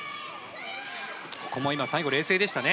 ここも今、最後冷静でしたね。